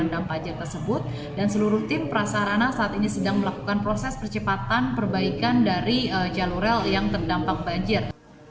ada tersebut dan seluruh tim prasarana saat ini sedang melakukan proses percepatan perbaikan dari jalur rel yang terdampak banjir